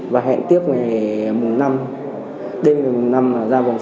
đang tham gia đoàn r tf